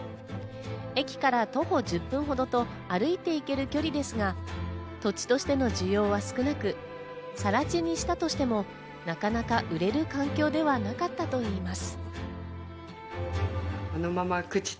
駅から徒歩１０分ほどと、歩いて行ける距離ですが、土地としての需要は少なく、さら地にしたとしても、なかなか売れる環境ではなかったといいます。